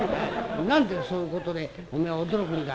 何でそういうことでおめえは驚くんだ？」。